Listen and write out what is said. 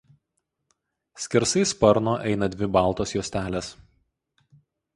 Skersai sparno eina dvi baltos juostelės.